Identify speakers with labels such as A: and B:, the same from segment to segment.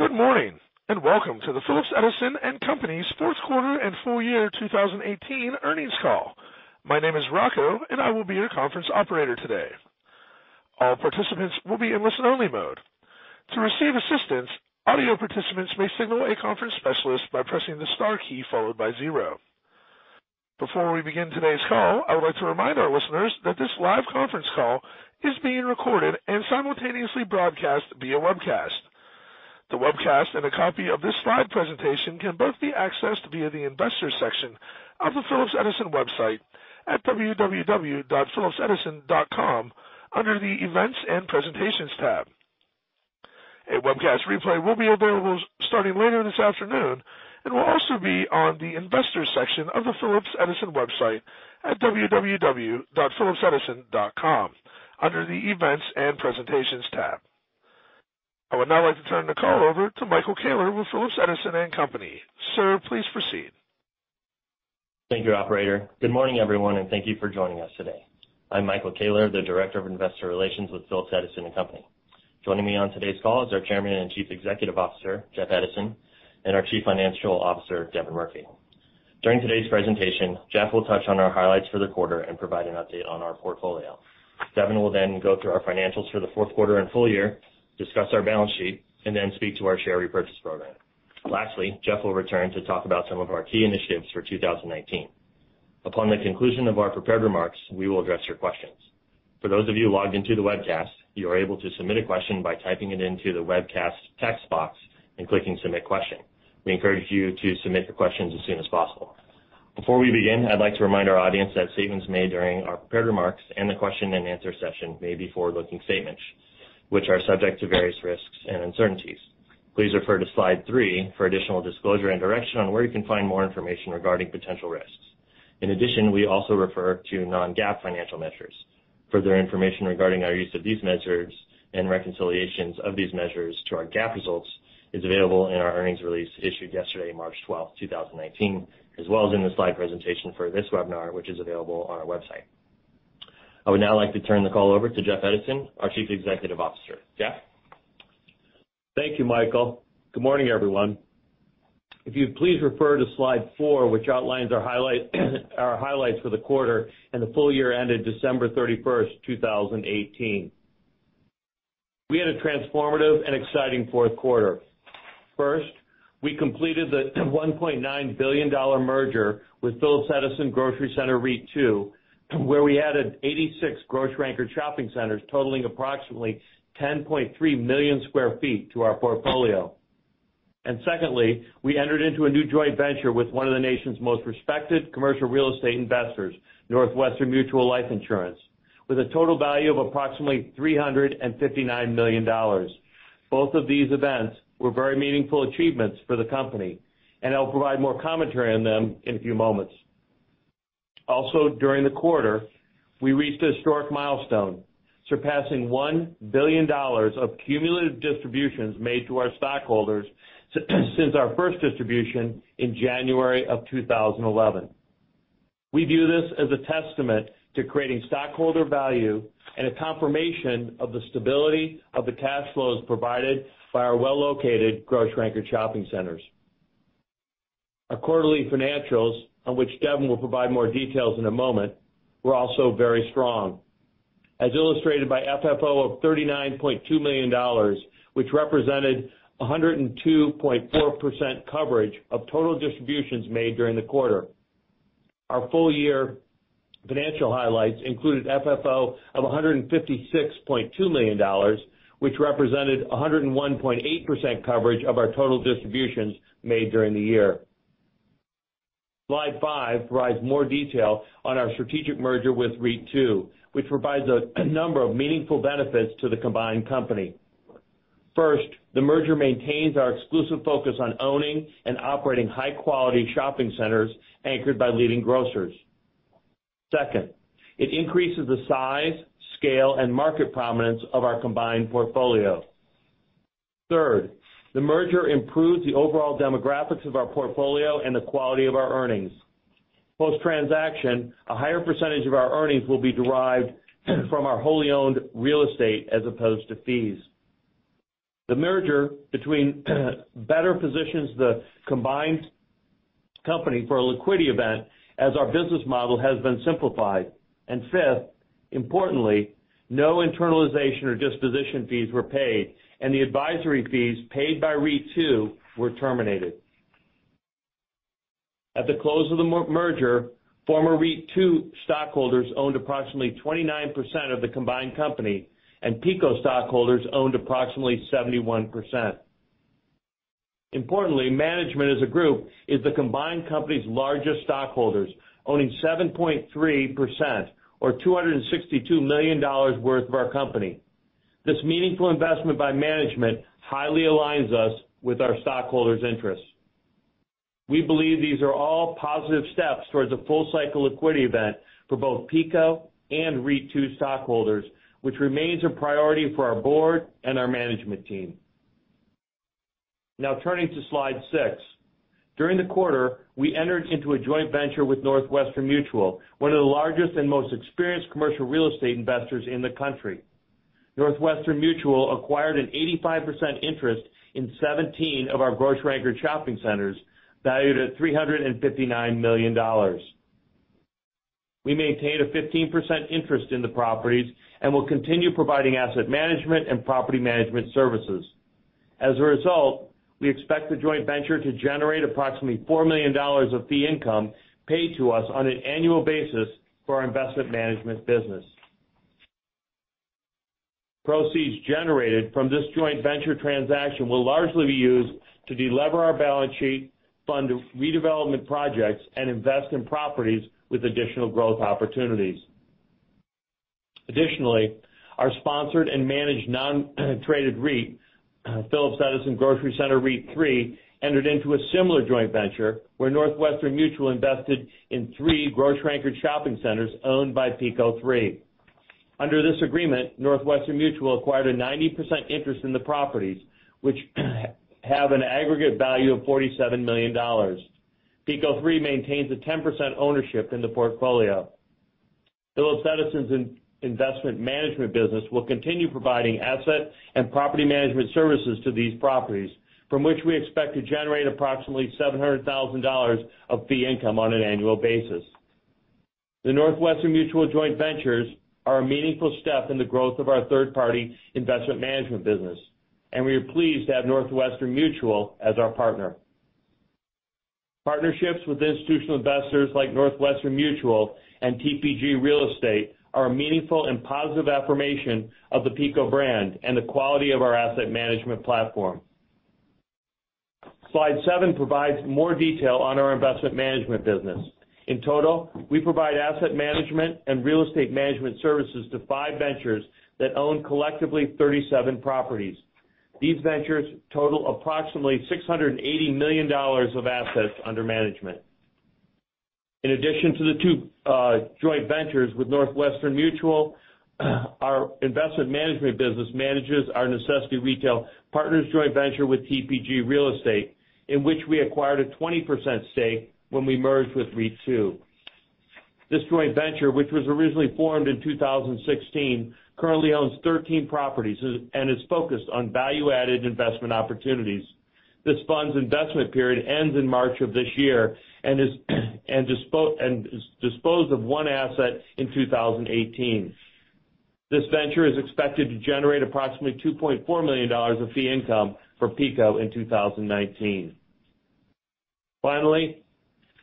A: Good morning, and welcome to the Phillips Edison & Company's fourth quarter and full year 2018 earnings call. My name is Rocco, and I will be your conference operator today. All participants will be in listen only mode. To receive assistance, audio participants may signal a conference specialist by pressing the star key followed by zero. Before we begin today's call, I would like to remind our listeners that this live conference call is being recorded and simultaneously broadcast via webcast. The webcast and a copy of this slide presentation can both be accessed via the investors section of the Phillips Edison website at www.phillipsedison.com under the Events and Presentations tab. A webcast replay will be available starting later this afternoon and will also be on the investors section of the Phillips Edison website at www.phillipsedison.com under the Events and Presentations tab. I would now like to turn the call over to Michael Koehler with Phillips Edison & Company. Sir, please proceed.
B: Thank you, operator. Good morning, everyone, and thank you for joining us today. I'm Michael Koehler, the Director of Investor Relations with Phillips Edison & Company. Joining me on today's call is our Chairman and Chief Executive Officer, Jeff Edison, and our Chief Financial Officer, Devin Murphy. During today's presentation, Jeff will touch on our highlights for the quarter and provide an update on our portfolio. Devin will then go through our financials for the fourth quarter and full year, discuss our balance sheet, and then speak to our share repurchase program. Lastly, Jeff will return to talk about some of our key initiatives for 2019. Upon the conclusion of our prepared remarks, we will address your questions. For those of you logged into the webcast, you are able to submit a question by typing it into the webcast text box and clicking submit question. We encourage you to submit the questions as soon as possible. Before we begin, I'd like to remind our audience that statements made during our prepared remarks and the question and answer session may be forward-looking statements, which are subject to various risks and uncertainties. Please refer to slide three for additional disclosure and direction on where you can find more information regarding potential risks. In addition, we also refer to non-GAAP financial measures. Further information regarding our use of these measures and reconciliations of these measures to our GAAP results is available in our earnings release issued yesterday, March 12th, 2019, as well as in the slide presentation for this webinar, which is available on our website. I would now like to turn the call over to Jeff Edison, our Chief Executive Officer. Jeff?
C: Thank you, Michael. Good morning, everyone. If you'd please refer to slide four, which outlines our highlights for the quarter and the full year ended December 31st, 2018. We had a transformative and exciting fourth quarter. First, we completed the $1.9 billion merger with Phillips Edison Grocery Center REIT II, where we added 86 grocery-anchored shopping centers totaling approximately 10.3 million sq ft to our portfolio. Secondly, we entered into a new joint venture with one of the nation's most respected commercial real estate investors, Northwestern Mutual Life Insurance, with a total value of approximately $359 million. Both of these events were very meaningful achievements for the company, and I'll provide more commentary on them in a few moments. Also, during the quarter, we reached a historic milestone, surpassing $1 billion of cumulative distributions made to our stockholders since our first distribution in January of 2011. We view this as a testament to creating stockholder value and a confirmation of the stability of the cash flows provided by our well-located grocery-anchored shopping centers. Our quarterly financials, on which Devin will provide more details in a moment, were also very strong, as illustrated by FFO of $39.2 million, which represented 102.4% coverage of total distributions made during the quarter. Our full-year financial highlights included FFO of $156.2 million, which represented 101.8% coverage of our total distributions made during the year. Slide five provides more detail on our strategic merger with REIT II, which provides a number of meaningful benefits to the combined company. First, the merger maintains our exclusive focus on owning and operating high-quality shopping centers anchored by leading grocers. Second, it increases the size, scale, and market prominence of our combined portfolio. Third, the merger improves the overall demographics of our portfolio and the quality of our earnings. Post-transaction, a higher percentage of our earnings will be derived from our wholly owned real estate as opposed to fees. The merger better positions the combined company for a liquidity event as our business model has been simplified. Fifth, importantly, no internalization or disposition fees were paid, and the advisory fees paid by REIT II were terminated. At the close of the merger, former REIT II stockholders owned approximately 29% of the combined company, and PECO stockholders owned approximately 71%. Importantly, management as a group is the combined company's largest stockholders, owning 7.3% or $262 million worth of our company. This meaningful investment by management highly aligns us with our stockholders' interests. We believe these are all positive steps towards a full-cycle liquidity event for both PECO and REIT II stockholders, which remains a priority for our board and our management team. Now turning to slide six. During the quarter, we entered into a joint venture with Northwestern Mutual, one of the largest and most experienced commercial real estate investors in the country. Northwestern Mutual acquired an 85% interest in 17 of our grocery-anchored shopping centers valued at $359 million. We maintained a 15% interest in the properties and will continue providing asset management and property management services. As a result, we expect the joint venture to generate approximately $4 million of fee income paid to us on an annual basis for our investment management business. Proceeds generated from this joint venture transaction will largely be used to delever our balance sheet, fund redevelopment projects, and invest in properties with additional growth opportunities. Additionally, our sponsored and managed non-traded REIT, Phillips Edison Grocery Center REIT III, entered into a similar joint venture where Northwestern Mutual invested in three grocery-anchored shopping centers owned by PECO III. Under this agreement, Northwestern Mutual acquired a 90% interest in the properties, which have an aggregate value of $47 million. PECO III maintains a 10% ownership in the portfolio. Phillips Edison's investment management business will continue providing asset and property management services to these properties, from which we expect to generate approximately $700,000 of fee income on an annual basis. The Northwestern Mutual joint ventures are a meaningful step in the growth of our third-party investment management business, and we are pleased to have Northwestern Mutual as our partner. Partnerships with institutional investors like Northwestern Mutual and TPG Real Estate are a meaningful and positive affirmation of the PECO brand and the quality of our asset management platform. Slide seven provides more detail on our investment management business. In total, we provide asset management and real estate management services to five ventures that own collectively 37 properties. These ventures total approximately $680 million of assets under management. In addition to the two joint ventures with Northwestern Mutual, our investment management business manages our Necessity Retail Partners joint venture with TPG Real Estate, in which we acquired a 20% stake when we merged with REIT II. This joint venture, which was originally formed in 2016, currently owns 13 properties and is focused on value-added investment opportunities. This fund's investment period ends in March of this year and disposed of one asset in 2018. This venture is expected to generate approximately $2.4 million of fee income for PECO in 2019. Finally,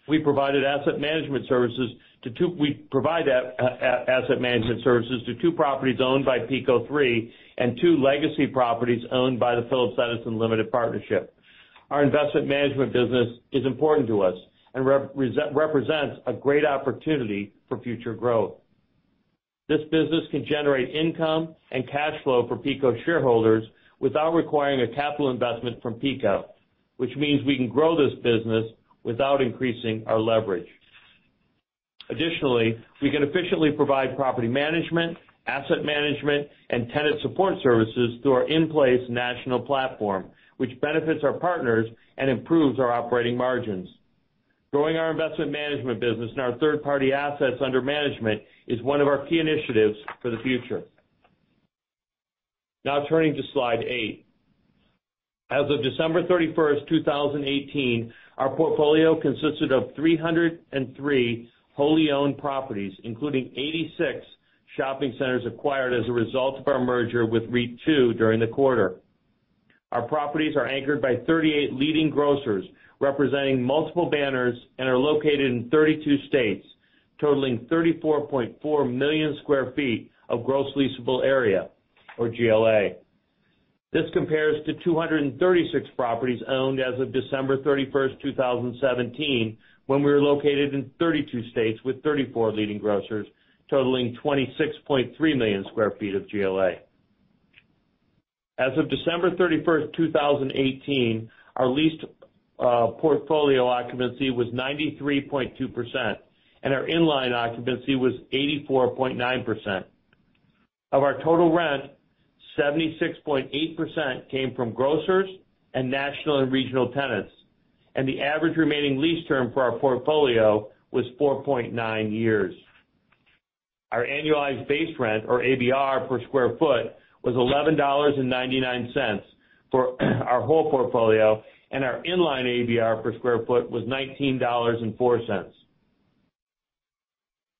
C: we provide asset management services to two properties owned by PECO III and two legacy properties owned by the Phillips Edison Limited Partnership. Our investment management business is important to us and represents a great opportunity for future growth. This business can generate income and cash flow for PECO shareholders without requiring a capital investment from PECO, which means we can grow this business without increasing our leverage. Additionally, we can efficiently provide property management, asset management, and tenant support services through our in-place national platform, which benefits our partners and improves our operating margins. Growing our investment management business and our third-party assets under management is one of our key initiatives for the future. Now turning to slide eight. As of December 31st, 2018, our portfolio consisted of 303 wholly owned properties, including 86 shopping centers acquired as a result of our merger with REIT II during the quarter. Our properties are anchored by 38 leading grocers representing multiple banners and are located in 32 states, totaling 34.4 million sq ft of gross leasable area, or GLA. This compares to 236 properties owned as of December 31st, 2017, when we were located in 32 states with 34 leading grocers, totaling 26.3 million sq ft of GLA. As of December 31st, 2018, our leased portfolio occupancy was 93.2%, and our inline occupancy was 84.9%. Of our total rent, 76.8% came from grocers and national and regional tenants, and the average remaining lease term for our portfolio was 4.9 years. Our annualized base rent, or ABR, per square foot was $11.99 for our whole portfolio, and our inline ABR per square foot was $19.04.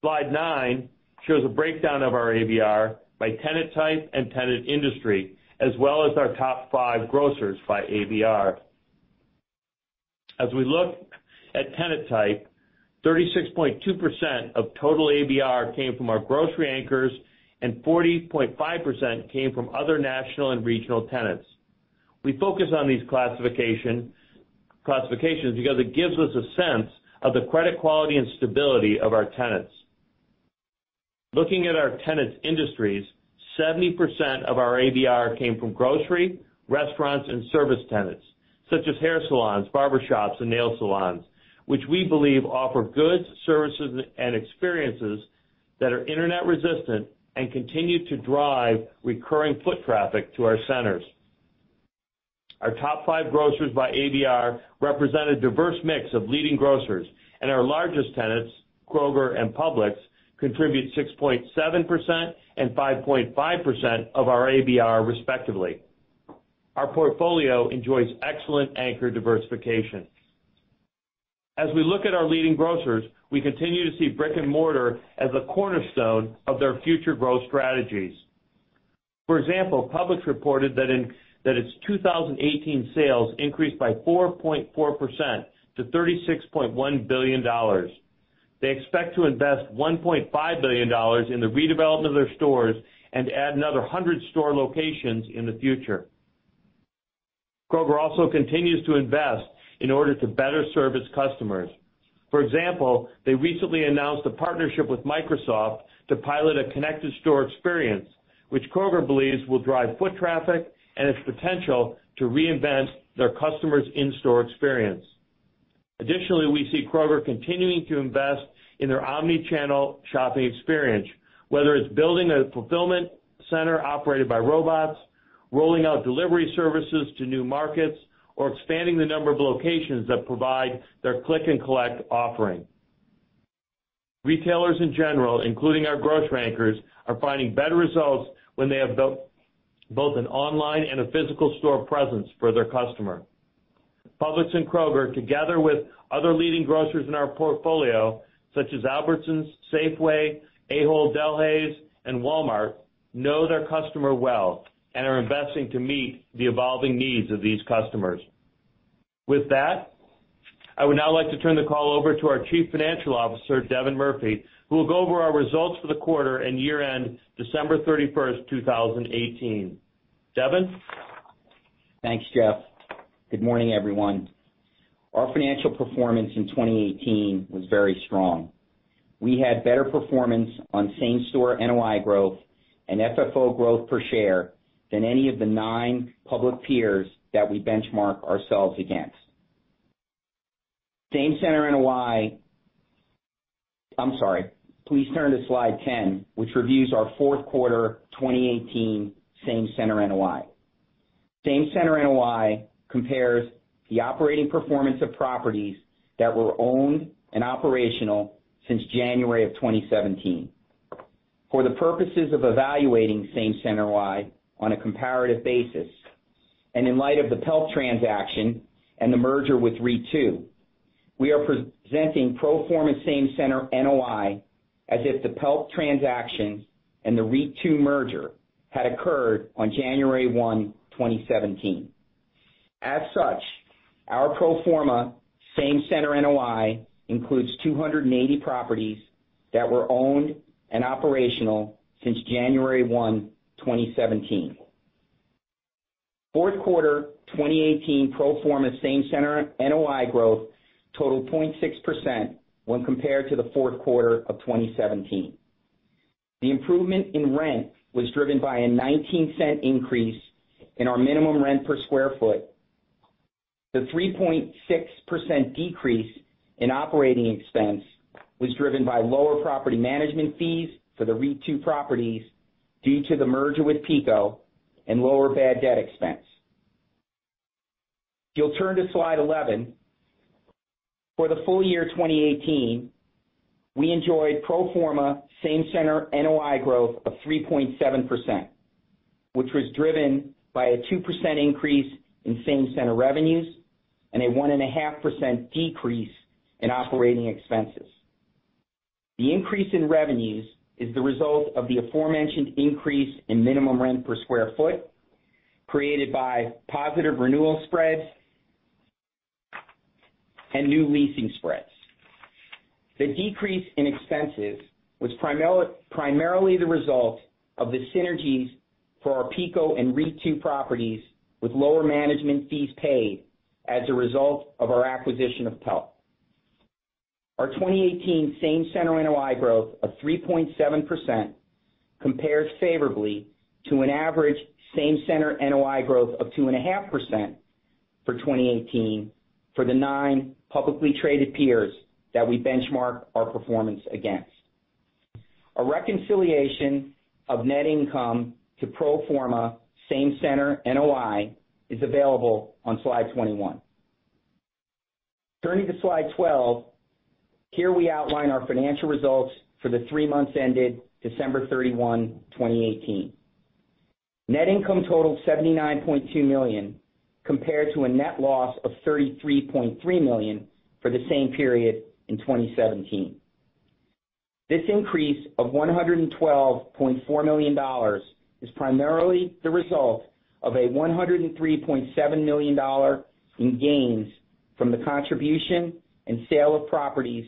C: Slide nine shows a breakdown of our ABR by tenant type and tenant industry, as well as our top five grocers by ABR. As we look at tenant type, 36.2% of total ABR came from our grocery anchors and 40.5% came from other national and regional tenants. We focus on these classifications because it gives us a sense of the credit quality and stability of our tenants. Looking at our tenants' industries, 70% of our ABR came from grocery, restaurants, and service tenants, such as hair salons, barbershops, and nail salons, which we believe offer goods, services, and experiences that are internet resistant and continue to drive recurring foot traffic to our centers. Our top five grocers by ABR represent a diverse mix of leading grocers, and our largest tenants, Kroger and Publix, contribute 6.7% and 5.5% of our ABR respectively. Our portfolio enjoys excellent anchor diversification. As we look at our leading grocers, we continue to see brick and mortar as a cornerstone of their future growth strategies. For example, Publix reported that its 2018 sales increased by 4.4% to $36.1 billion. They expect to invest $1.5 billion in the redevelopment of their stores and add another 100 store locations in the future. Kroger also continues to invest in order to better serve its customers. For example, they recently announced a partnership with Microsoft to pilot a connected store experience, which Kroger believes will drive foot traffic and its potential to reinvent their customers' in-store experience. We see Kroger continuing to invest in their omni-channel shopping experience, whether it's building a fulfillment center operated by robots, rolling out delivery services to new markets, or expanding the number of locations that provide their click and collect offering. Retailers in general, including our grocery anchors, are finding better results when they have both an online and a physical store presence for their customer. Publix and Kroger, together with other leading grocers in our portfolio, such as Albertsons, Safeway, Ahold Delhaize, and Walmart, know their customer well and are investing to meet the evolving needs of these customers. With that, I would now like to turn the call over to our Chief Financial Officer, Devin Murphy, who will go over our results for the quarter and year end, December 31st, 2018. Devin?
D: Thanks, Jeff. Good morning, everyone. Our financial performance in 2018 was very strong. We had better performance on same-store NOI growth and FFO growth per share than any of the nine public peers that we benchmark ourselves against. Same-center NOI. I'm sorry. Please turn to slide 10, which reviews our fourth quarter 2018 same-center NOI. Same-center NOI compares the operating performance of properties that were owned and operational since January of 2017. For the purposes of evaluating same-center NOI on a comparative basis, and in light of the PELP transaction and the merger with REIT II, we are presenting pro forma same-center NOI as if the PELP transaction and the REIT II merger had occurred on January 1, 2017. As such, our pro forma same-center NOI includes 280 properties that were owned and operational since January 1, 2017. Fourth quarter 2018 pro forma same-center NOI growth totaled 0.6% when compared to the fourth quarter of 2017. The improvement in rent was driven by a $0.19 increase in our minimum rent per square foot. The 3.6% decrease in operating expense was driven by lower property management fees for the REIT II properties due to the merger with PECO and lower bad debt expense. If you'll turn to slide 11. For the full year 2018, we enjoyed pro forma same-center NOI growth of 3.7%, which was driven by a 2% increase in same-center revenues and a 1.5% decrease in operating expenses. The increase in revenues is the result of the aforementioned increase in minimum rent per square foot created by positive renewal spreads and new leasing spreads. The decrease in expenses was primarily the result of the synergies for our PECO and REIT II properties with lower management fees paid as a result of our acquisition of PELP. Our 2018 same-center NOI growth of 3.7% compares favorably to an average same-center NOI growth of 2.5% for 2018 for the nine publicly traded peers that we benchmark our performance against. A reconciliation of net income to pro forma same-center NOI is available on slide 21. Turning to slide 12, here we outline our financial results for the three months ended December 31, 2018. Net income totaled $79.2 million, compared to a net loss of $33.3 million for the same period in 2017. This increase of $112.4 million is primarily the result of a $103.7 million in gains from the contribution and sale of properties,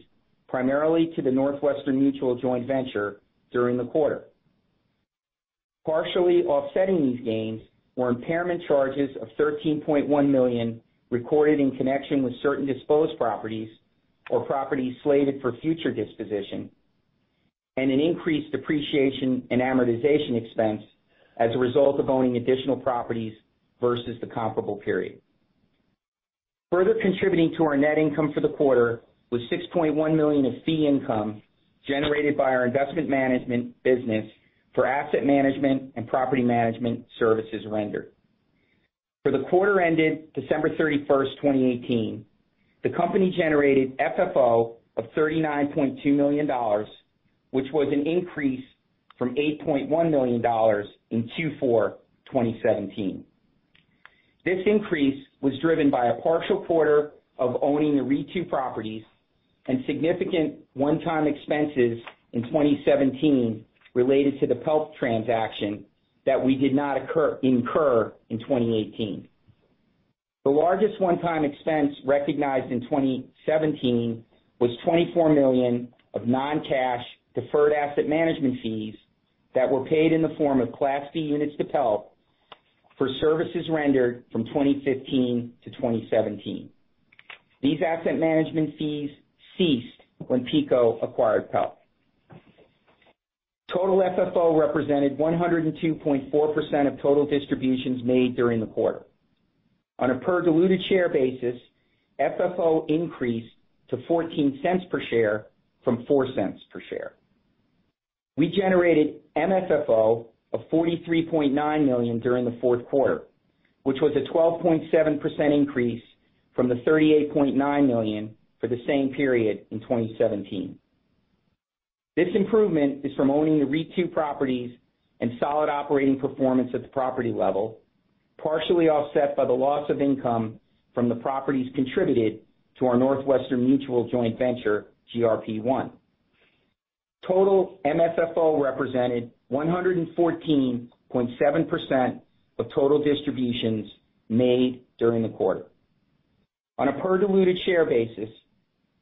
D: primarily to the Northwestern Mutual joint venture during the quarter. Partially offsetting these gains were impairment charges of $13.1 million recorded in connection with certain disposed properties or properties slated for future disposition, and an increased depreciation and amortization expense as a result of owning additional properties versus the comparable period. Further contributing to our net income for the quarter was $6.1 million of fee income generated by our investment management business for asset management and property management services rendered. For the quarter ended December 31st, 2018, the company generated FFO of $39.2 million, which was an increase from $8.1 million in Q4 2017. This increase was driven by a partial quarter of owning the REIT II properties and significant one-time expenses in 2017 related to the PELP transaction that we did not incur in 2018. The largest one-time expense recognized in 2017 was $24 million of non-cash deferred asset management fees that were paid in the form of Class B units to PELP for services rendered from 2015 to 2017. These asset management fees ceased when PECO acquired PELP. Total FFO represented 102.4% of total distributions made during the quarter. On a per diluted share basis, FFO increased to $0.14 per share from $0.04 per share. We generated MFFO of $43.9 million during the fourth quarter, which was a 12.7% increase from the $38.9 million for the same period in 2017. This improvement is from owning the REIT II properties and solid operating performance at the property level, partially offset by the loss of income from the properties contributed to our Northwestern Mutual joint venture, GRP I. Total MFFO represented 114.7% of total distributions made during the quarter. On a per diluted share basis,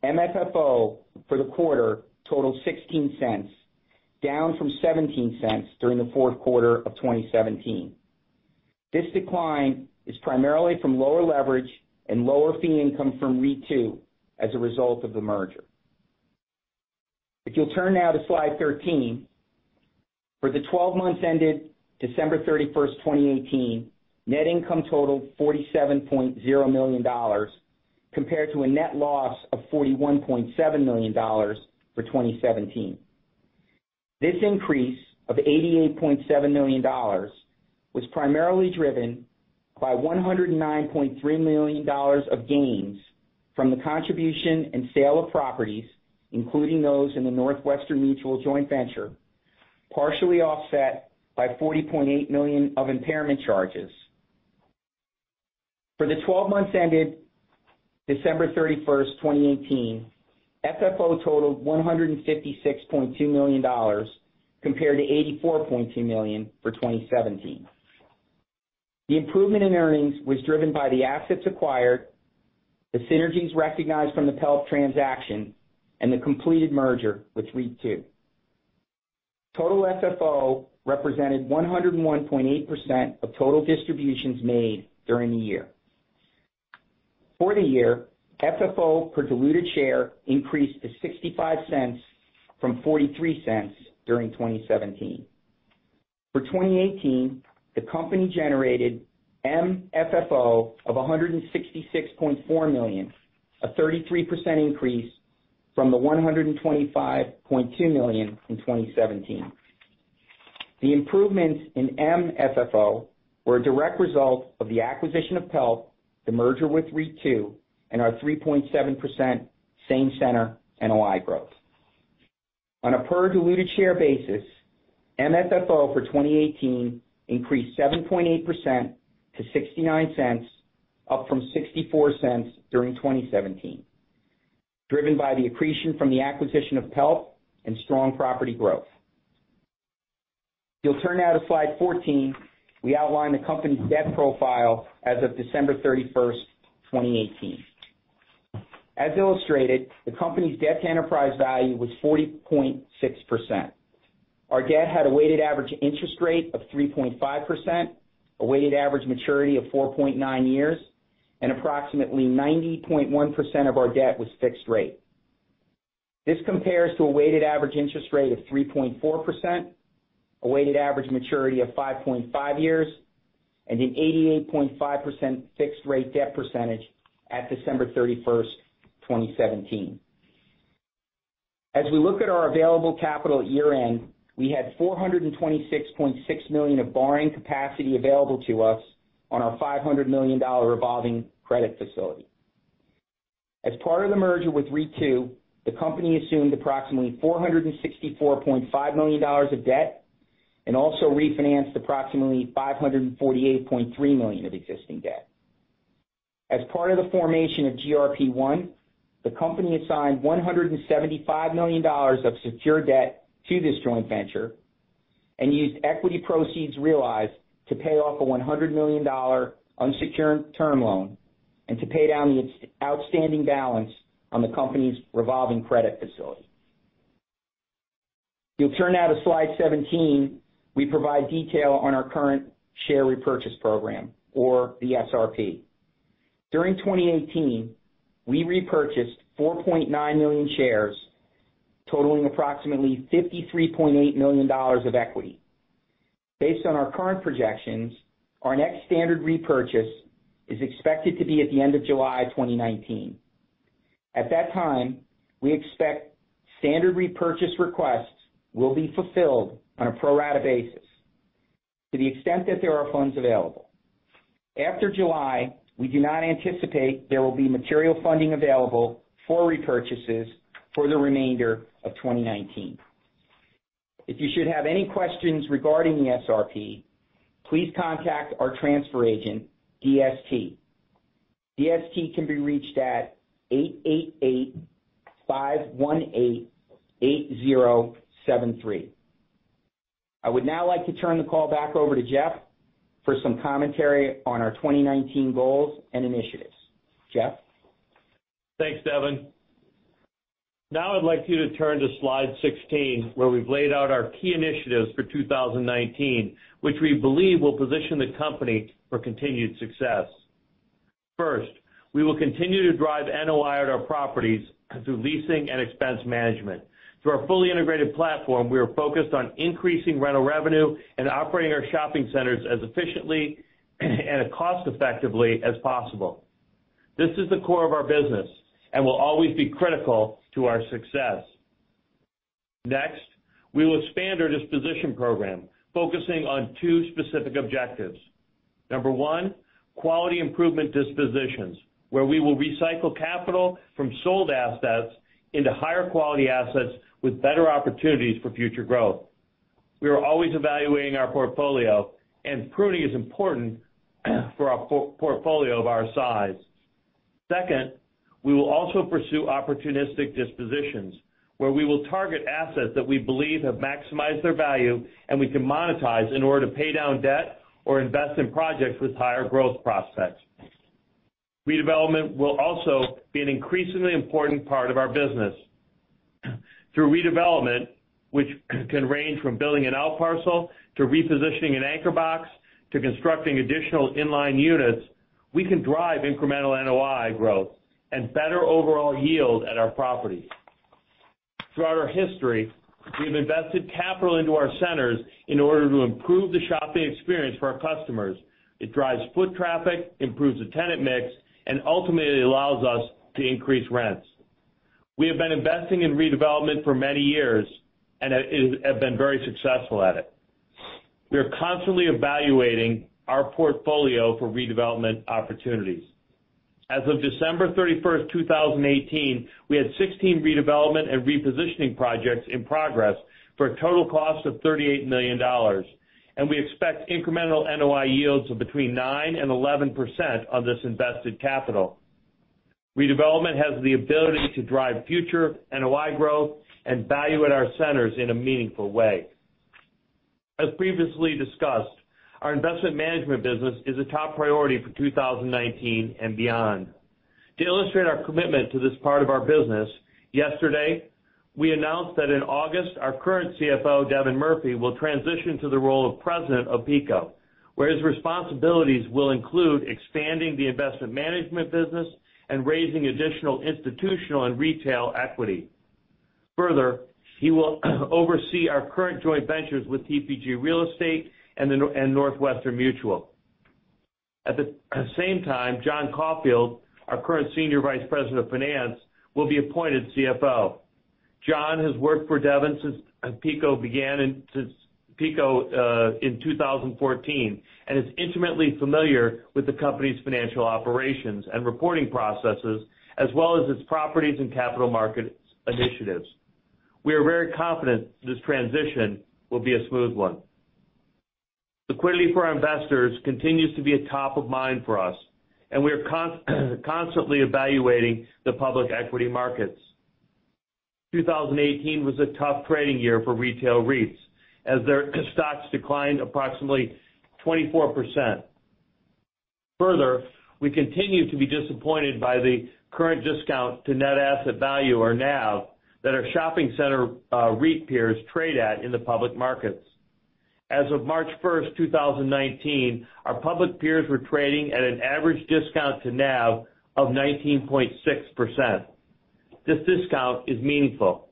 D: MFFO for the quarter totaled $0.16, down from $0.17 during the fourth quarter of 2017. This decline is primarily from lower leverage and lower fee income from REIT II as a result of the merger. If you'll turn now to slide 13, for the 12 months ended December 31, 2018, net income totaled $47.0 million, compared to a net loss of $41.7 million for 2017. This increase of $88.7 million was primarily driven by $109.3 million of gains from the contribution and sale of properties, including those in the Northwestern Mutual joint venture, partially offset by $40.8 million of impairment charges. For the 12 months ended December 31, 2018, FFO totaled $156.2 million, compared to $84.2 million for 2017. The improvement in earnings was driven by the assets acquired, the synergies recognized from the PELP transaction, and the completed merger with REIT II. Total FFO represented 101.8% of total distributions made during the year. For the year, FFO per diluted share increased to $0.65 from $0.43 during 2017. For 2018, the company generated MFFO of $166.4 million, a 33% increase from the $125.2 million in 2017. The improvements in MFFO were a direct result of the acquisition of PELP, the merger with REIT II, and our 3.7% same-center NOI growth. On a per diluted share basis, MFFO for 2018 increased 7.8% to $0.69, up from $0.64 during 2017, driven by the accretion from the acquisition of PELP and strong property growth. If you'll turn now to slide 14, we outline the company's debt profile as of December 31, 2018. As illustrated, the company's debt-to-enterprise value was 40.6%. Our debt had a weighted average interest rate of 3.5%, a weighted average maturity of 4.9 years, and approximately 90.1% of our debt was fixed rate. This compares to a weighted average interest rate of 3.4%, a weighted average maturity of 5.5 years, and an 88.5% fixed rate debt percentage at December 31, 2017. As we look at our available capital at year-end, we had $426.6 million of borrowing capacity available to us on our $500 million revolving credit facility. As part of the merger with REIT II, the company assumed approximately $464.5 million of debt and also refinanced approximately $548.3 million of existing debt. As part of the formation of GRP I, the company assigned $175 million of secure debt to this joint venture and used equity proceeds realized to pay off a $100 million unsecured term loan and to pay down the outstanding balance on the company's revolving credit facility. If you'll turn now to slide 17, we provide detail on our current share repurchase program or the SRP. During 2018, we repurchased 4.9 million shares totaling approximately $53.8 million of equity. Based on our current projections, our next standard repurchase is expected to be at the end of July 2019. At that time, we expect standard repurchase requests will be fulfilled on a pro-rata basis to the extent that there are funds available. After July, we do not anticipate there will be material funding available for repurchases for the remainder of 2019. If you should have any questions regarding the SRP, please contact our transfer agent, DST. DST can be reached at 888-518-8073. I would now like to turn the call back over to Jeff for some commentary on our 2019 goals and initiatives. Jeff?
C: Thanks, Devin. Now I'd like you to turn to slide 16, where we've laid out our key initiatives for 2019, which we believe will position the company for continued success. First, we will continue to drive NOI at our properties through leasing and expense management. Through our fully integrated platform, we are focused on increasing rental revenue and operating our shopping centers as efficiently and as cost-effectively as possible. This is the core of our business and will always be critical to our success. Next, we will expand our disposition program, focusing on two specific objectives. Number one, quality improvement dispositions, where we will recycle capital from sold assets into higher quality assets with better opportunities for future growth. We are always evaluating our portfolio, and pruning is important for a portfolio of our size. Second, we will also pursue opportunistic dispositions where we will target assets that we believe have maximized their value and we can monetize in order to pay down debt or invest in projects with higher growth prospects. Redevelopment will also be an increasingly important part of our business. Through redevelopment, which can range from building an out parcel to repositioning an anchor box to constructing additional inline units, we can drive incremental NOI growth and better overall yield at our properties. Throughout our history, we've invested capital into our centers in order to improve the shopping experience for our customers. It drives foot traffic, improves the tenant mix, and ultimately allows us to increase rents. We have been investing in redevelopment for many years and have been very successful at it. We are constantly evaluating our portfolio for redevelopment opportunities. As of December 31st, 2018, we had 16 redevelopment and repositioning projects in progress for a total cost of $38 million. We expect incremental NOI yields of between 9% and 11% of this invested capital. Redevelopment has the ability to drive future NOI growth and value at our centers in a meaningful way. As previously discussed, our investment management business is a top priority for 2019 and beyond. To illustrate our commitment to this part of our business, yesterday, we announced that in August, our current CFO, Devin Murphy, will transition to the role of president of PECO, where his responsibilities will include expanding the investment management business and raising additional institutional and retail equity. Further, he will oversee our current joint ventures with TPG Real Estate and Northwestern Mutual. At the same time, John Caulfield, our current Senior Vice President of Finance, will be appointed CFO. John has worked for Devin since PECO in 2014 and is intimately familiar with the company's financial operations and reporting processes as well as its properties and capital market initiatives. We are very confident this transition will be a smooth one. Liquidity for our investors continues to be top of mind for us, and we are constantly evaluating the public equity markets. 2018 was a tough trading year for retail REITs, as their stocks declined approximately 24%. Further, we continue to be disappointed by the current discount to net asset value or NAV that our shopping center REIT peers trade at in the public markets. As of March 1st, 2019, our public peers were trading at an average discount to NAV of 19.6%. This discount is meaningful.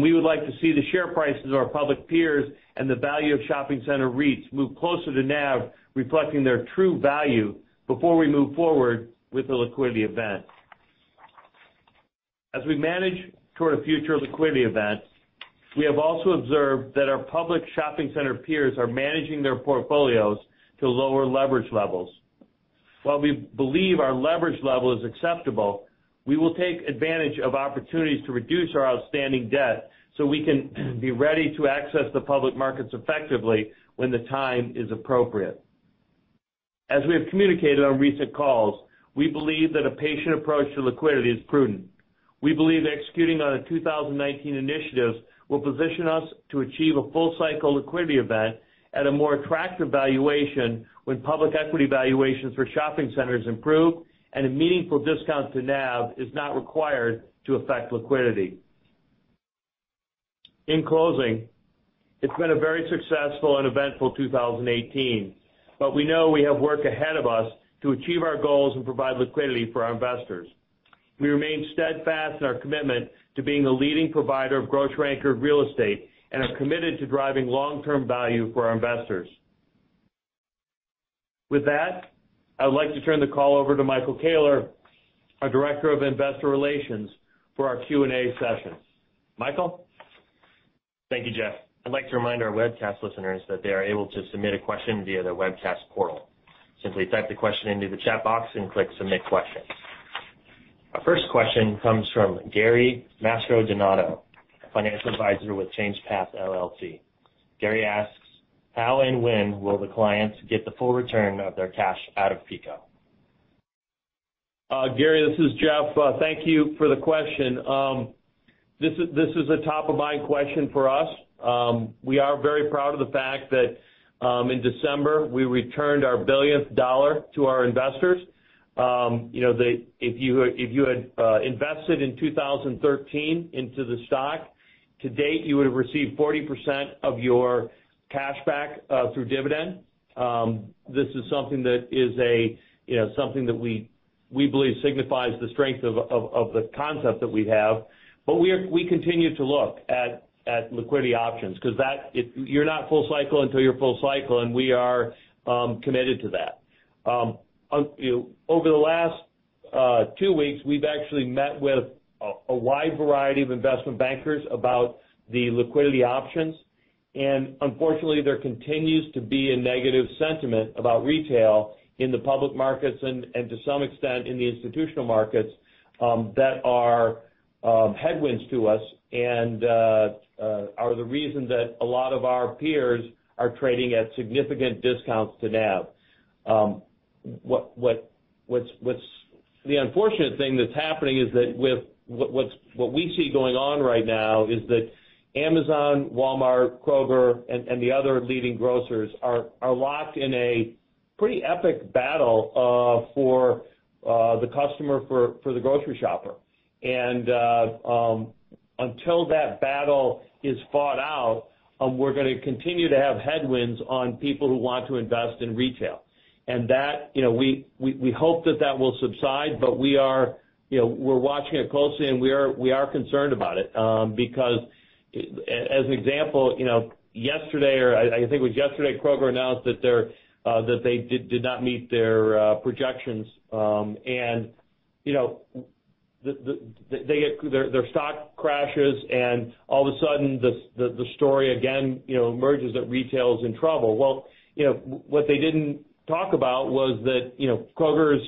C: We would like to see the share prices of our public peers and the value of shopping center REITs move closer to NAV, reflecting their true value before we move forward with a liquidity event. As we manage toward a future liquidity event, we have also observed that our public shopping center peers are managing their portfolios to lower leverage levels. While we believe our leverage level is acceptable, we will take advantage of opportunities to reduce our outstanding debt so we can be ready to access the public markets effectively when the time is appropriate. As we have communicated on recent calls, we believe that a patient approach to liquidity is prudent. We believe executing on our 2019 initiatives will position us to achieve a full-cycle liquidity event at a more attractive valuation when public equity valuations for shopping centers improve and a meaningful discount to NAV is not required to affect liquidity. In closing, it's been a very successful and eventful 2018. We know we have work ahead of us to achieve our goals and provide liquidity for our investors. We remain steadfast in our commitment to being the leading provider of grocery-anchored real estate and are committed to driving long-term value for our investors. With that, I would like to turn the call over to Michael Koehler, our Director of Investor Relations, for our Q&A session. Michael?
B: Thank you, Jeff. I'd like to remind our webcast listeners that they are able to submit a question via the webcast portal. Simply type the question into the chat box and click submit question. Our first question comes from Gary Mastrodonato, Financial Advisor with ChangePath, LLC. Gary asks, "How and when will the clients get the full return of their cash out of PECO?
C: Gary, this is Jeff. Thank you for the question. This is a top-of-mind question for us. We are very proud of the fact that in December, we returned our billionth dollar to our investors. If you had invested in 2013 into the stock, to date, you would have received 40% of your cash back through dividend. This is something that we believe signifies the strength of the concept that we have. We continue to look at liquidity options, because you're not full cycle until you're full cycle, and we are committed to that. Over the last two weeks, we've actually met with a wide variety of investment bankers about the liquidity options. Unfortunately, there continues to be a negative sentiment about retail in the public markets and to some extent, in the institutional markets, that are headwinds to us and are the reason that a lot of our peers are trading at significant discounts to NAV. The unfortunate thing that's happening is that what we see going on right now is that Amazon, Walmart, Kroger, and the other leading grocers are locked in a pretty epic battle for the customer, for the grocery shopper. Until that battle is fought out, we're going to continue to have headwinds on people who want to invest in retail. We hope that that will subside, but we're watching it closely, and we are concerned about it. As an example, yesterday, or I think it was yesterday, Kroger announced that they did not meet their projections. Their stock crashes and all of a sudden, the story again emerges that retail is in trouble. What they didn't talk about was that Kroger's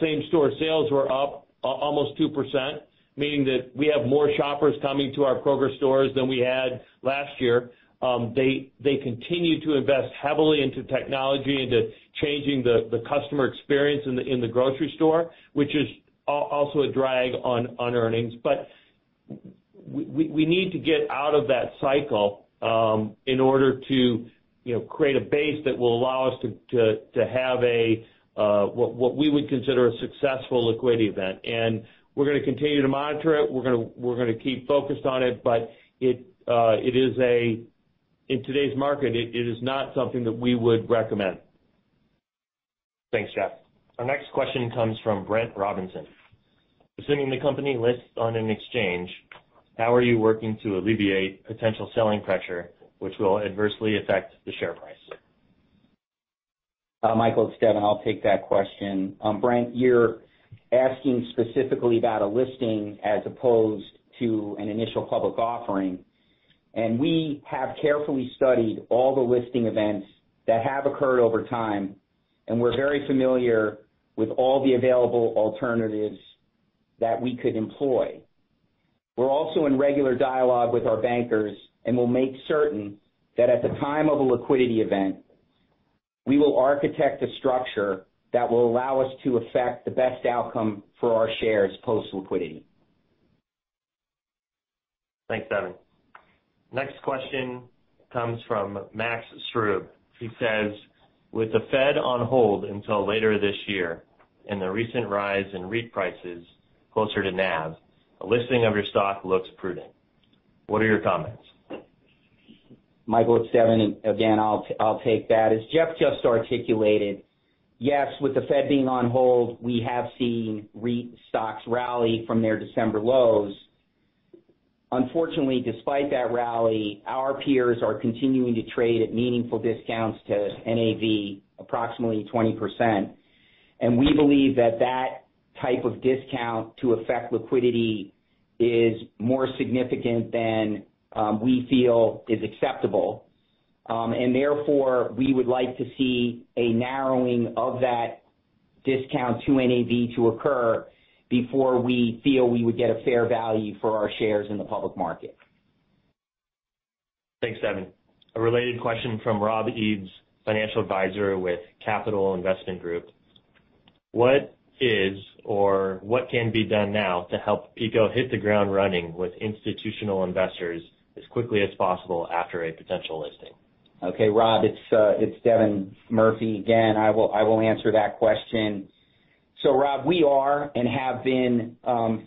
C: same-store sales were up almost 2%, meaning that we have more shoppers coming to our Kroger stores than we had last year. They continue to invest heavily into technology, into changing the customer experience in the grocery store, which is also a drag on earnings. We need to get out of that cycle in order to create a base that will allow us to have what we would consider a successful liquidity event. We're going to continue to monitor it. We're going to keep focused on it, but in today's market, it is not something that we would recommend.
B: Thanks, Jeff. Our next question comes from Brent Robinson. Assuming the company lists on an exchange, how are you working to alleviate potential selling pressure which will adversely affect the share price?
D: Michael, it's Devin. I'll take that question. Brent, you're asking specifically about a listing as opposed to an initial public offering. We have carefully studied all the listing events that have occurred over time, and we're very familiar with all the available alternatives that we could employ. We're also in regular dialogue with our bankers, and we'll make certain that at the time of a liquidity event, we will architect a structure that will allow us to affect the best outcome for our shares post liquidity.
B: Thanks, Devin. Next question comes from Max Strube. He says, "With the Fed on hold until later this year and the recent rise in REIT prices closer to NAV, a listing of your stock looks prudent. What are your comments?
D: Michael, it's Devin. Again, I'll take that. As Jeff just articulated, yes, with the Fed being on hold, we have seen REIT stocks rally from their December lows. Unfortunately, despite that rally, our peers are continuing to trade at meaningful discounts to NAV, approximately 20%. We believe that type of discount to affect liquidity is more significant than we feel is acceptable. Therefore, we would like to see a narrowing of that discount to NAV to occur before we feel we would get a fair value for our shares in the public market.
B: Thanks, Devin. A related question from Rob Eades, Financial Advisor with Capital Investment Group. What is or what can be done now to help PECO hit the ground running with institutional investors as quickly as possible after a potential listing?
D: Rob, it's Devin Murphy again. I will answer that question. Rob, we are and have been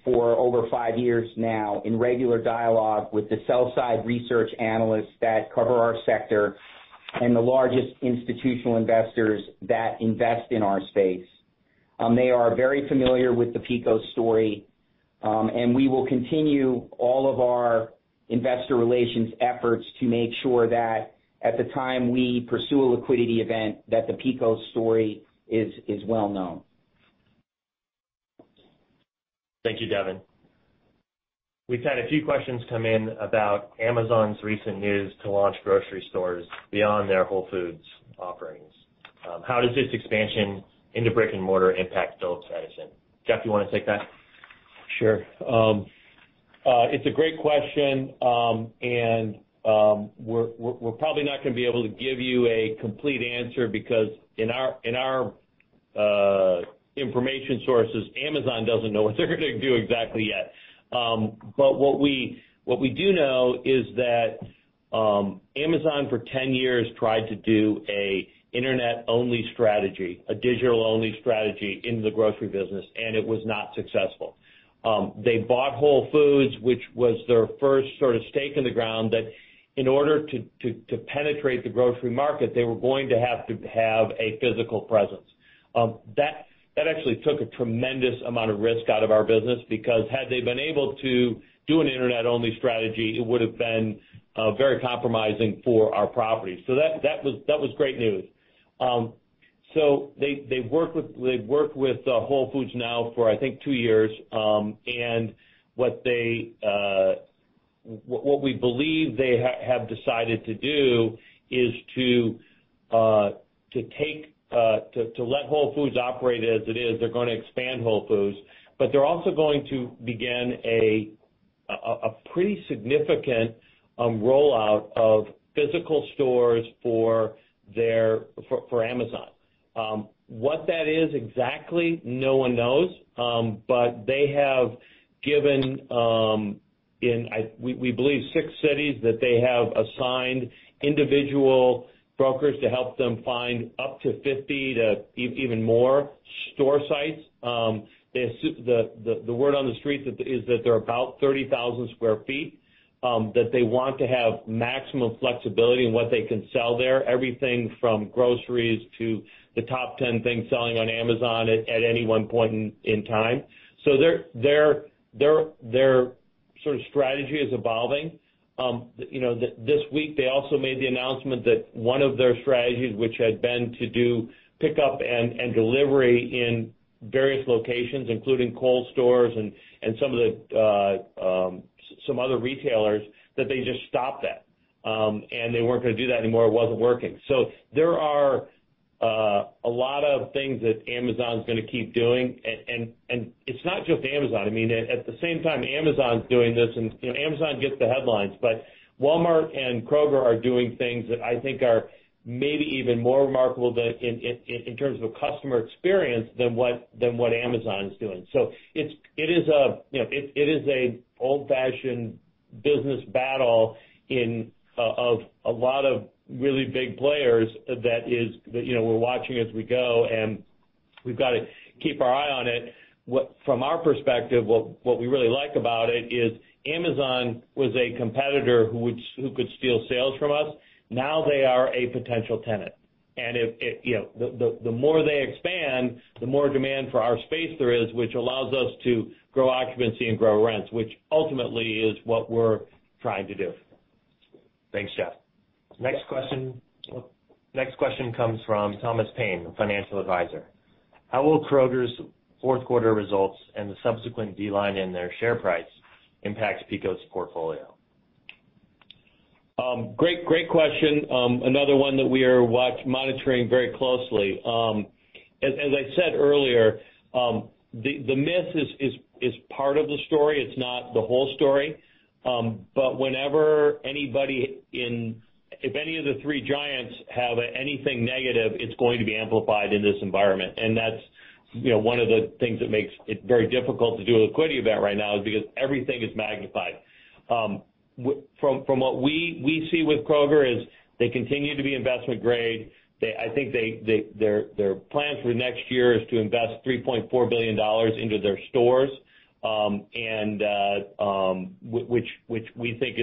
D: for over five years now in regular dialogue with the sell side research analysts that cover our sector. The largest institutional investors that invest in our space. They are very familiar with the PECO story, we will continue all of our investor relations efforts to make sure that at the time we pursue a liquidity event, that the PECO story is well-known.
B: Thank you, Devin. We've had a few questions come in about Amazon's recent news to launch grocery stores beyond their Whole Foods offerings. How does this expansion into brick and mortar impact Phillips Edison? Jeff, you want to take that?
C: Sure. It's a great question, we're probably not going to be able to give you a complete answer because in our information sources, Amazon doesn't know what they're going to do exactly yet. What we do know is that Amazon, for 10 years, tried to do an Internet-only strategy, a digital-only strategy in the grocery business, it was not successful. They bought Whole Foods, which was their first sort of stake in the ground, that in order to penetrate the grocery market, they were going to have to have a physical presence. That actually took a tremendous amount of risk out of our business, because had they been able to do an Internet-only strategy, it would've been very compromising for our properties. That was great news. They've worked with Whole Foods now for, I think, two years. What we believe they have decided to do is to let Whole Foods operate as it is. They're going to expand Whole Foods, they're also going to begin a pretty significant rollout of physical stores for Amazon. What that is exactly, no one knows. They have given, we believe six cities that they have assigned individual brokers to help them find up to 50 to even more store sites. The word on the street is that they're about 30,000 sq ft, that they want to have maximum flexibility in what they can sell there, everything from groceries to the top 10 things selling on Amazon at any one point in time. Their sort of strategy is evolving. This week, they also made the announcement that one of their strategies, which had been to do pickup and delivery in various locations, including Kohl's stores and some other retailers, that they just stopped that. They weren't going to do that anymore. It wasn't working. There are a lot of things that Amazon's going to keep doing, and it's not just Amazon. I mean, at the same time Amazon's doing this, and Amazon gets the headlines, but Walmart and Kroger are doing things that I think are maybe even more remarkable in terms of customer experience than what Amazon's doing. It is an old-fashioned business battle of a lot of really big players that we're watching as we go, and we've got to keep our eye on it. From our perspective, what we really like about it is Amazon was a competitor who could steal sales from us. Now they are a potential tenant. The more they expand, the more demand for our space there is, which allows us to grow occupancy and grow rents, which ultimately is what we're trying to do.
B: Thanks, Jeff. Next question comes from Thomas Payne, a financial advisor. How will Kroger's fourth quarter results and the subsequent decline in their share price impact PECO's portfolio?
C: Great question. Another one that we are monitoring very closely. As I said earlier, the myth is part of the story. It's not the whole story. If any of the three giants have anything negative, it's going to be amplified in this environment. That's one of the things that makes it very difficult to do a liquidity event right now is because everything is magnified. From what we see with Kroger is they continue to be investment grade. I think their plan for next year is to invest $3.4 billion into their stores, which we think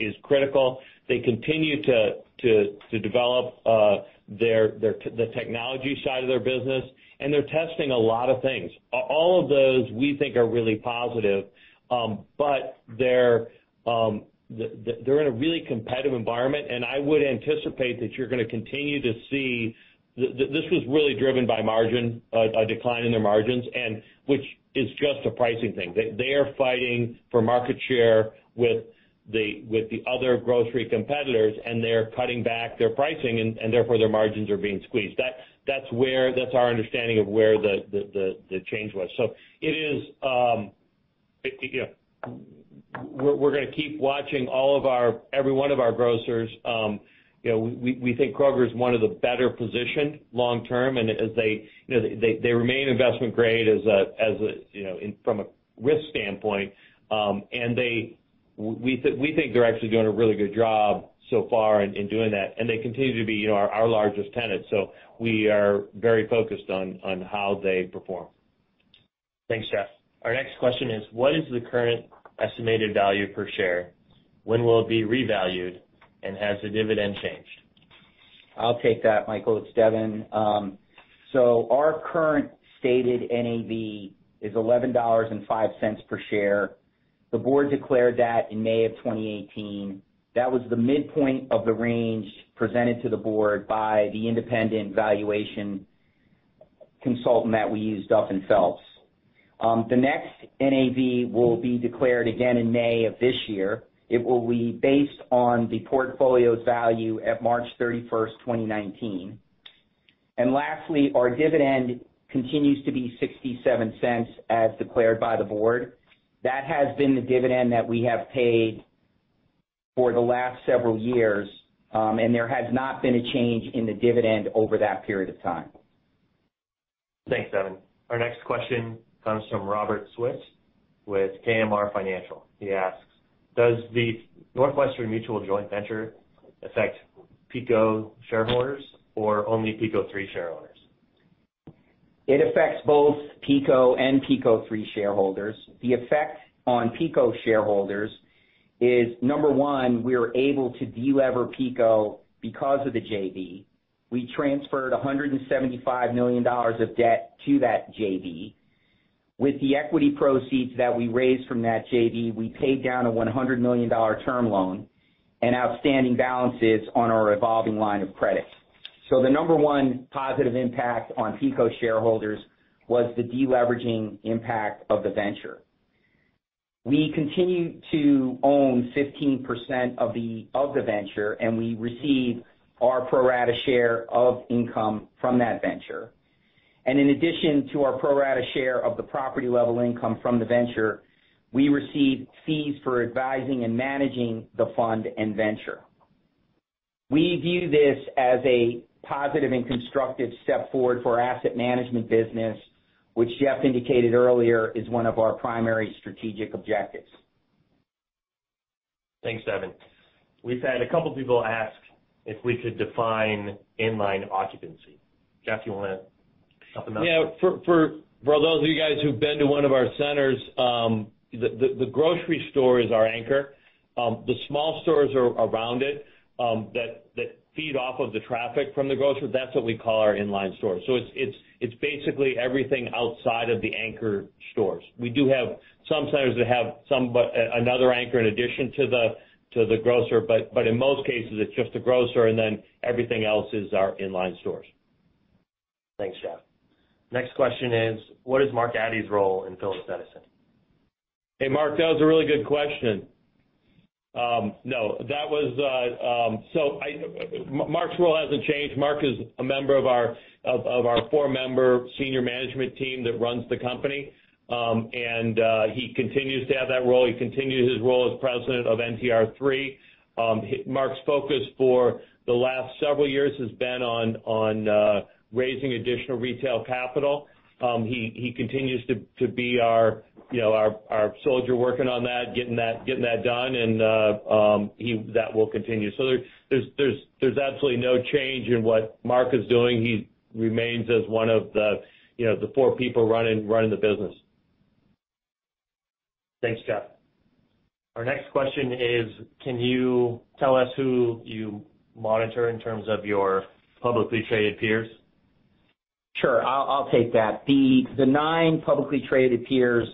C: is critical. They continue to develop the technology side of their business, and they're testing a lot of things. All of those we think are really positive. They're in a really competitive environment, I would anticipate that you're going to continue to see. This was really driven by margin, a decline in their margins, which is just a pricing thing. They are fighting for market share with the other grocery competitors, they're cutting back their pricing, therefore, their margins are being squeezed. That's our understanding of where the change was. We're going to keep watching every one of our grocers. We think Kroger is one of the better positioned long term, they remain investment grade from a risk standpoint. We think they're actually doing a really good job so far in doing that, they continue to be our largest tenant. We are very focused on how they perform.
B: Thanks, Jeff. Our next question is: what is the current estimated value per share? When will it be revalued, has the dividend changed?
D: I'll take that, Michael. It's Devin. Our current stated NAV is $11.05 per share. The board declared that in May of 2018. That was the midpoint of the range presented to the board by the independent valuation consultant that we used, Duff & Phelps. The next NAV will be declared again in May of this year. It will be based on the portfolio's value at March 31st, 2019. Lastly, our dividend continues to be $0.67 as declared by the board. That has been the dividend that we have paid for the last several years, there has not been a change in the dividend over that period of time.
B: Thanks, Devin. Our next question comes from Robert Swit with KMR Financial. He asks, does the Northwestern Mutual joint venture affect PECO shareholders or only PECO III shareholders?
D: It affects both PECO and PECO III shareholders. The effect on PECO shareholders is, number one, we're able to delever PECO because of the JV. We transferred $175 million of debt to that JV. With the equity proceeds that we raised from that JV, we paid down a $100 million term loan and outstanding balances on our revolving line of credit. The number 1 positive impact on PECO shareholders was the deleveraging impact of the venture. We continue to own 15% of the venture, and we receive our pro rata share of income from that venture. In addition to our pro rata share of the property level income from the venture, we receive fees for advising and managing the fund and venture. We view this as a positive and constructive step forward for our asset management business, which Jeff indicated earlier is one of our primary strategic objectives.
B: Thanks, Devin. We've had a couple people ask if we could define inline occupancy. Jeff, you want to help them out?
C: Yeah. For those of you guys who've been to one of our centers, the grocery store is our anchor. The small stores are around it that feed off of the traffic from the grocer. That's what we call our inline stores. It's basically everything outside of the anchor stores. We do have some centers that have another anchor in addition to the grocer, but in most cases, it's just the grocer, and then everything else is our inline stores.
B: Thanks, Jeff. Next question is: what is Mark Addy's role in Phillips Edison?
C: Hey, Mark, that was a really good question. No, Mark's role hasn't changed. Mark is a member of our four-member senior management team that runs the company. He continues to have that role. He continues his role as president of NTR III. Mark's focus for the last several years has been on raising additional retail capital. He continues to be our soldier working on that, getting that done, and that will continue. There's absolutely no change in what Mark is doing. He remains as one of the four people running the business.
B: Thanks, Jeff. Our next question is: can you tell us who you monitor in terms of your publicly traded peers?
D: Sure. I'll take that. The nine publicly traded peers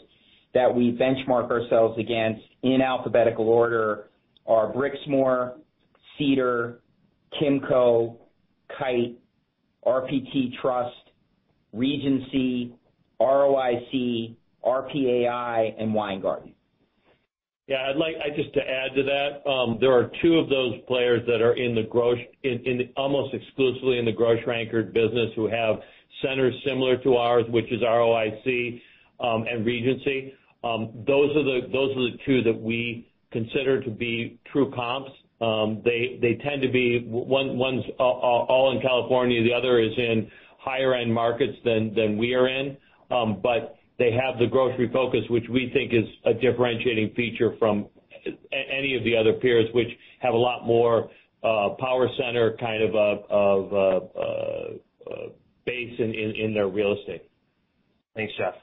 D: that we benchmark ourselves against, in alphabetical order, are Brixmor, Cedar, Kimco, Kite, RPT Trust, Regency, ROIC, RPAI, and Weingarten.
C: Yeah. Just to add to that, there are two of those players that are almost exclusively in the grocery-anchored business who have centers similar to ours, which is ROIC and Regency. Those are the two that we consider to be true comps. One's all in California, the other is in higher-end markets than we are in. They have the grocery focus, which we think is a differentiating feature from any of the other peers which have a lot more power center kind of a base in their real estate.
B: Thanks, Jeff.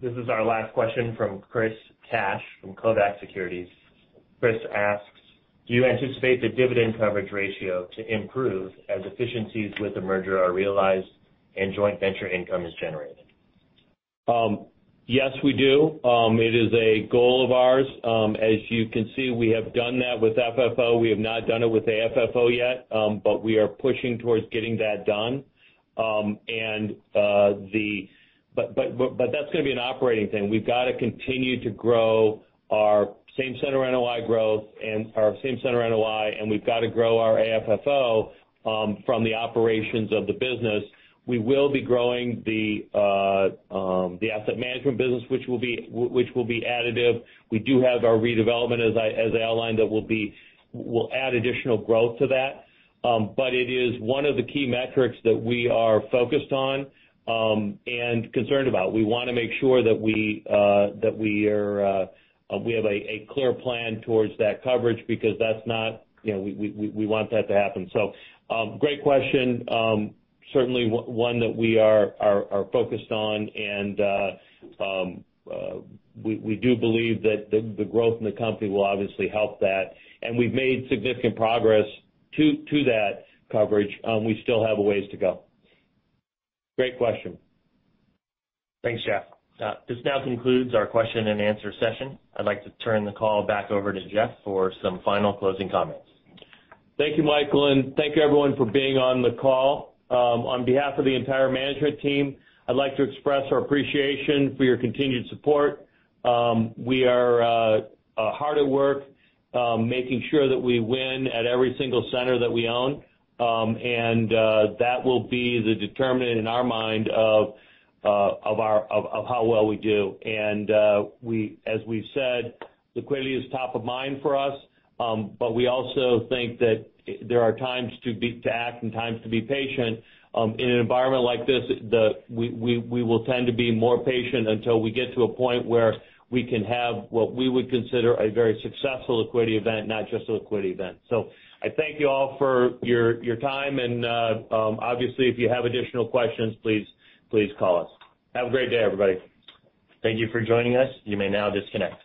B: This is our last question from Chris Cash from Kovack Securities. Chris asks: do you anticipate the dividend coverage ratio to improve as efficiencies with the merger are realized and joint venture income is generated?
C: Yes, we do. It is a goal of ours. As you can see, we have done that with FFO. We have not done it with AFFO yet, we are pushing towards getting that done. That's going to be an operating thing. We've got to continue to grow our same-center NOI growth and our same-center NOI, we've got to grow our AFFO from the operations of the business. We will be growing the asset management business, which will be additive. We do have our redevelopment, as I outlined, that will add additional growth to that. It is one of the key metrics that we are focused on and concerned about. We want to make sure that we have a clear plan towards that coverage because we want that to happen. Great question. Certainly one that we are focused on, we do believe that the growth in the company will obviously help that. We've made significant progress to that coverage. We still have a ways to go. Great question.
B: Thanks, Jeff. This now concludes our question and answer session. I'd like to turn the call back over to Jeff for some final closing comments.
C: Thank you, Michael, and thank you, everyone, for being on the call. On behalf of the entire management team, I'd like to express our appreciation for your continued support. We are hard at work, making sure that we win at every single center that we own, that will be the determinant in our mind of how well we do. As we've said, liquidity is top of mind for us, but we also think that there are times to act and times to be patient. In an environment like this, we will tend to be more patient until we get to a point where we can have what we would consider a very successful liquidity event, not just a liquidity event. I thank you all for your time. Obviously, if you have additional questions, please call us. Have a great day, everybody.
B: Thank you for joining us. You may now disconnect.